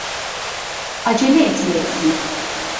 Acele etmelisin.